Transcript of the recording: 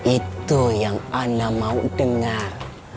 itu yang ana mau dengar